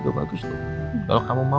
betu per makhluk tie masita